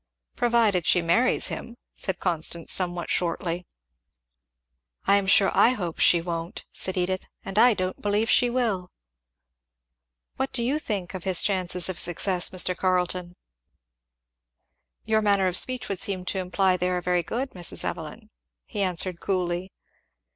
"Provided she marries him," said Constance somewhat shortly. "I am sure I hope she won't," said Edith, "and I don't believe she will." "What do you think of his chances of success, Mr. Carleton?" "Your manner of speech would seem to imply that they are very good, Mrs. Evelyn," he answered coolly.